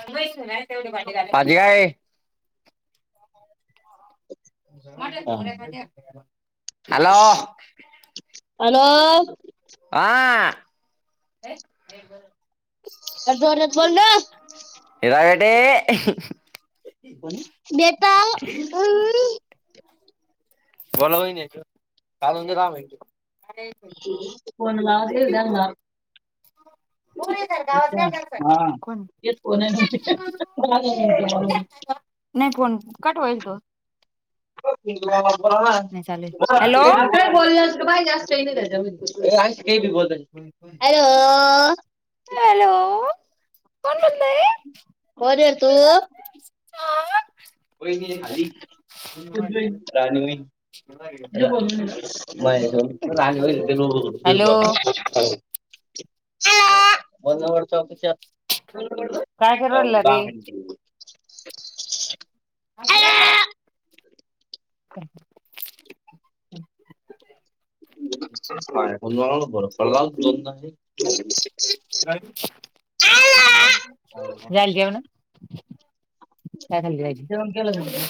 [unintelligible] हा. Hello. Hello. आ. जोरात बोल ग. [unintelligible] देता ऊ उम बोला वहिनी. काय म्हणता काय माहित. फोन लावती का त्यांना? हो करतात. गावात काय करताय? [unintelligible] नाही फोन. कट होईल तो. ना [unintelligible] तू बोलला पाहिजे अस काही नाही. त्याच्यामधी ओ आण की मी बी बोलण. [unintelligible] हॅलो. हॅलो. कोण बोलतय? कोण ये तू? कोई नाही खाली. राणी मी. हॅलो [unintelligible] बनावट चौक काय करू हो. राहिला दहा रे मिनिट. फिरायलो. [inaudible] [unintelligible] झाली जेवणं? काय खाल्ली भाजी? जेवण केलं का तुझं?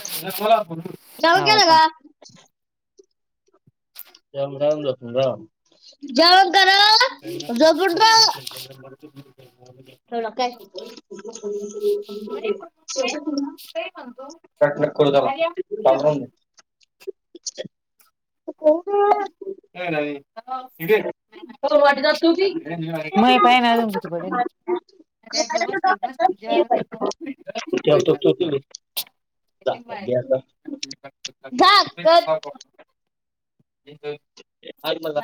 जेवण हव केलं का. [unintelligible] राम राम राम जप करा. जप करा. झोपून [unintelligible] जेवला काय? जेवलो. तुम्ही? काय काय कोल्हा भाऊ राम राम म्हणते. [unintelligible] नाही वाटी जात होती. नाही. माय पाहून राहिली कुणी कडे. जेवायला बसला की ठेवतो बसल. तू तिकडे. जा, जा, घे आता. झाकत [unintelligible] ह ममः! ! आतबघाया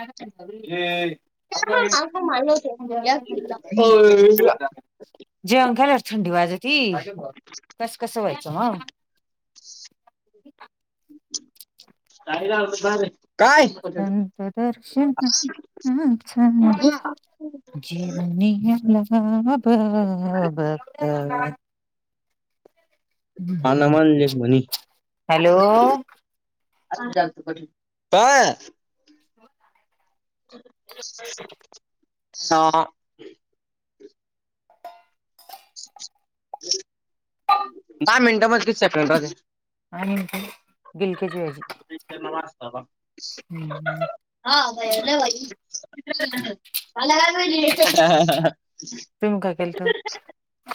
भात आत माणुस हाय! या की? हो य! जेवण करा थंडी वाजती कस कसं व्हायचं मग! ! काय रावत बरे काय? अंत दर्शन ना? चा छंद! घेऊनिया आले. हा! ब! ब! !. ह नमानज म्हणी! हॅलो [unintelligible] [inaudible] लत काय. सांह. ! ! दहा मिनट मध्ये किती? सेप्रेंट राहते. [inaudible] [unintelligible] आणि बिलक्याची भाजी हा ह. हा! भईला भई. मला काय पाहिजे. तुम्ही काय केलत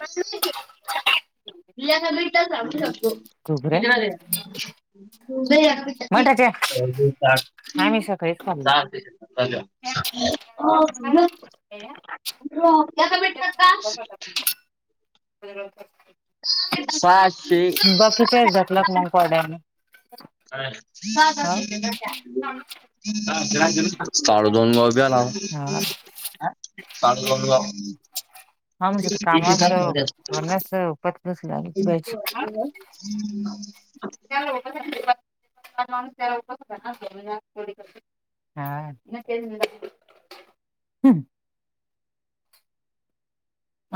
तुझ्यासाठी मि थांबूसांगू शकतो. घुगऱ्या दहा मिनिटात मठाच्या निघ! आम्ही सकाळीच खाल्लो चाल! हो! येका मिट का? बरोबर! ! [inaudible] [unintelligible] पाय. बाकी तेच दधकलाख मकवाड्याने! अ हा! ! साडे दोन गाव बी आला हा साडे दोन गाव. हम. ! ! हा म्हज कामा अस वना पतसलंतीयची. त्या लकच माणस त्या लकचडी. हा हम्! !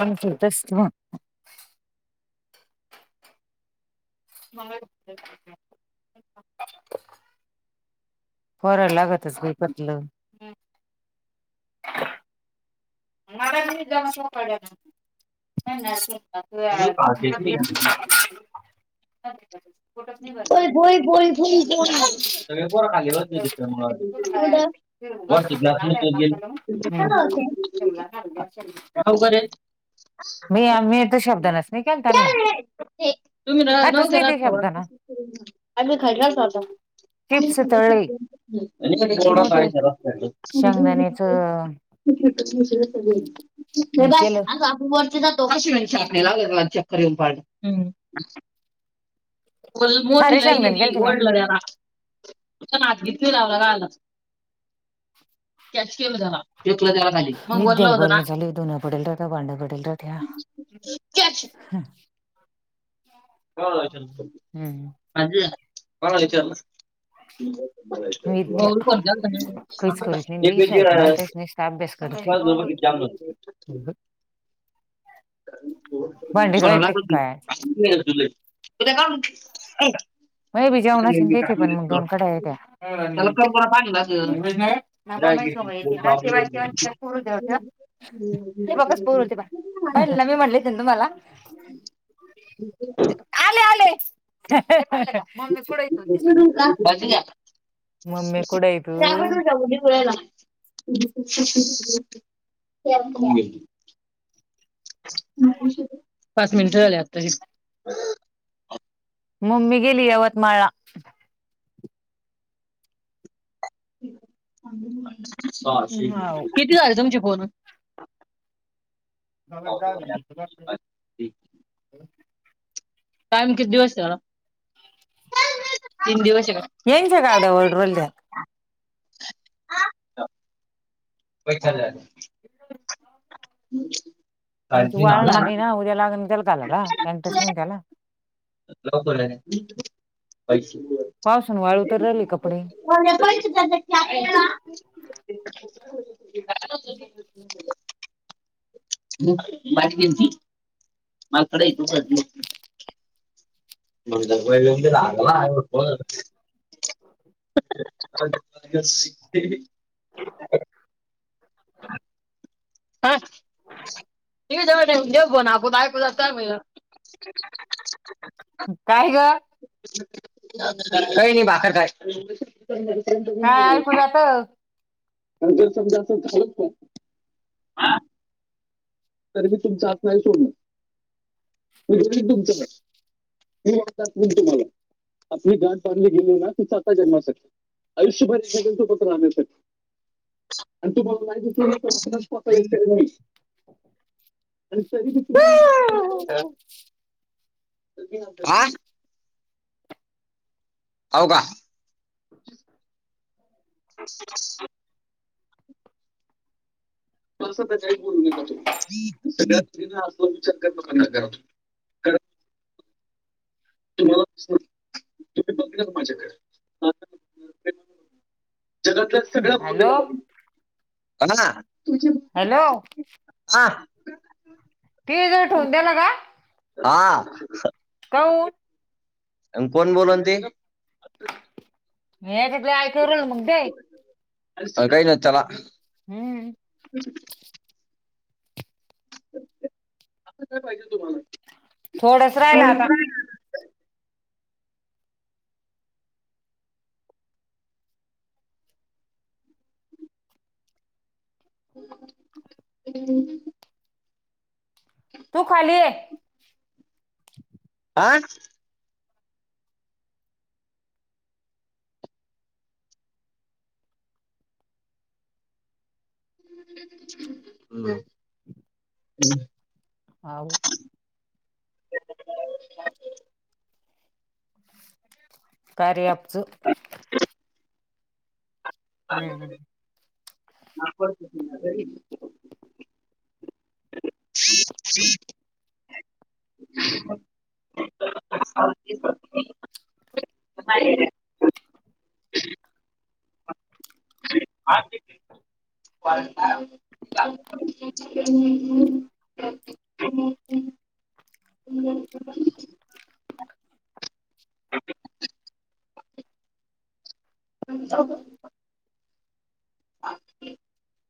आमच ही तसच मग! मग! ! फरळ लागतच बकतलं! मला त जाम पड! बोय ! हम! ! हो भई भई भई सगळे पोर खाली बसले होते. त्याच्या मुळे आलो इकडे कुठ. ब [unintelligible] [inaudible] [unintelligible] तेवढ घाल असे! मी मी तर शब्द नच नाही का त्यांना! तुम्ही नव्हते रातोर! ह ना? अ मी खरलाचता तळले आणि किती वडा मोठे तयला! शेंगदाण्याच [inaudible] [unintelligible] [unintelligible] र हे केलं जातो कशीण आपला, व चक्कर येऊन पाड! फल् मोट खारे शेंगदाणे केलं लाईलेली तुम्ही ओडलरा! तु हात घेतली लावला रा! आला त्याच केम झाला. वलं त्याला नाही धुन पडेल राहत्या भांड्या पडेल राहत्या. कॅच हा कोणाला विचारलस विद्या काहीच करीत नाही बाई शाळेतून तेच नुसता अभ्यास करत तू [inaudible] [inaudible] नाही. भांडी सोडवला धुवायली तू काय [inaudible] व्हय बाई जेवणाची आणि त्याची दोन कढया आहे त्या त्याला कम करा पाणी लागेल [inaudible] पहिले ना मी म्हटले ना तुम्हाला हम्म आले आले मम्मी कुठ मम्मी कुठे आहे तू [inaudible] [inaudible] पाच मिनिट झाले आत्ताशी मम्मी गेली यवतमाळला हाव किती झाले तुमचे बोलून [inaudible] टाईम किती वाजता तीन दिवस आहे का [unintelligible] [inaudible] काय दिन आला एंटरेस्ट नाहीये त्याला [unintelligible] पावसान वाळू तर रहिले कपडे [inaudible] [unintelligible] [inaudible] [inaudible] [unintelligible] [unintelligible] [unintelligible] [inaudible] काय ग काय नाही भाकर खाय. काय ऐकू जात [unintelligible] तर मी तुमचा हात नाही सोडणार म्हणजे मी तुमचं मी वाट दाखवीन तुम्हाला आपली गाठ बांधली गेली ना ती साता जन्मासाठी आयुष्यभर एकमेकांच्या सोबत राहण्यासाठी आणि तुम्हाला माहितीच नाही. [unintelligible] हो का [inaudible] कोणासोबत काही बोलली नाही तू सगळ्यात अस विचार करत बस घरात [inaudible] जगातल्या सगळ्या [unintelligible] हॅलो बोलाव, बनाना तुझ हॅलो हा ते ग ठेवून द्याला का? हा काय काऊन? अन कोण बोलान ते? [unintelligible] सगळे जण चला हम्म काय पाहिजे तुम्हाला? थोडच राहिलं आता [unintelligible] तू खाली ये. आ हम [inaudible] [unintelligible] [unintelligible] कार्य अँप च [inaudible] हम्म हम्म [inaudible] [unintelligible] [inaudible] [inaudible] [inaudible] [inaudible] [inaudible] [inaudible] [inaudible] [inaudible]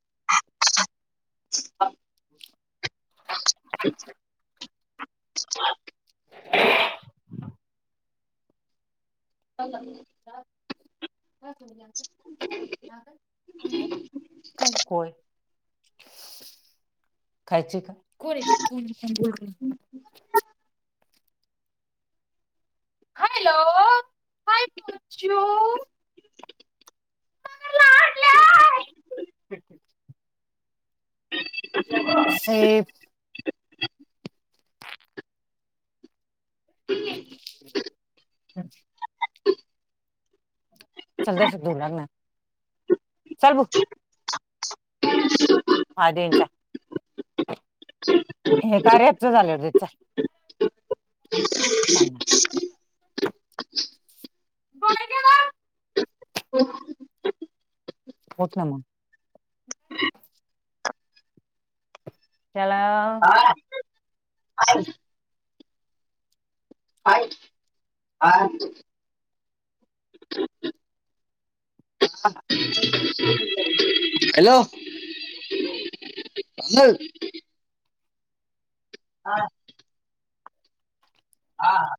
[inaudible] [inaudible] [inaudible] [inaudible] काही कोय खायची का? [unintelligible] [unintelligible] हॅलो काय पोचू ठीक [unintelligible] [unintelligible] [inaudible] चलत जरसक धुवू लाग ना चल बु आ देेचा [inaudible] हे कार्य ॲपच [unintelligible] [unintelligible] होत ना मग. याला. हा [unintelligible] ह [unintelligible] ह हॅलो. हा. हा हा.